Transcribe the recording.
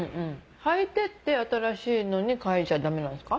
はいてって新しいのに替えちゃダメなんですか？